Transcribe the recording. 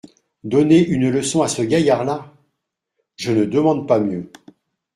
Donner une leçon à ce gaillard-là … je ne demande pas mieux.